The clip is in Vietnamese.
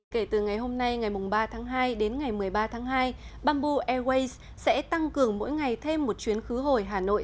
kể từ ngày hôm nay ngày ba tháng hai đến ngày một mươi ba tháng hai bamboo airways sẽ tăng cường mỗi ngày thêm một chuyến khứ hồi hà nội